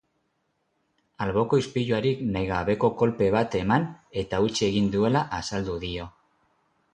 Alboko ispiluari nahigabeko kolpe bat eman eta hautsi egin duela azaldu dio.